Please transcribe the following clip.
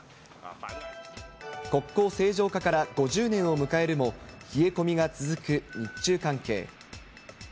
国交正常化から５０年を迎えるも、冷え込みが続く日中関係。